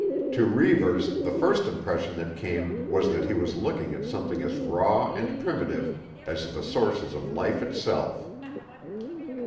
To Reivers, the first impression that came was that he was looking at something as raw and primitive as the sources of life itself.